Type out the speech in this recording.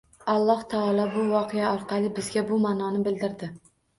Alloh taolo bu voqea orqali bizga bu ma’noni bildirdi.